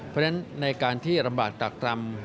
เพราะฉะนั้นในการที่ลำบากตากกรรม